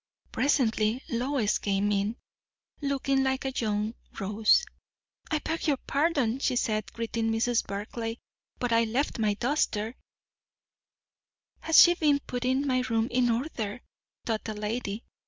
Presently Lois came in, looking like a young rose. "I beg pardon!" she said, greeting Mrs. Barclay, "but I left my duster " Has she been putting my room in order! thought the lady.